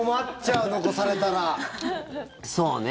そうね。